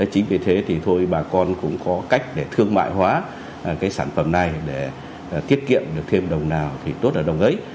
chính vì thế thì thôi bà con cũng có cách để thương mại hóa cái sản phẩm này để tiết kiệm được thêm đồng nào thì tốt ở đồng ấy